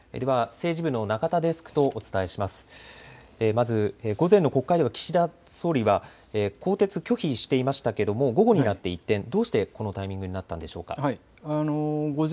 まず午前の国会では岸田総理は更迭、拒否していましたけれども午後になって一転、どうしてこのタイミングになったんでしょうか。